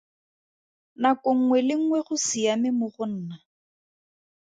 Nako nngwe le nngwe go siame mo go nna.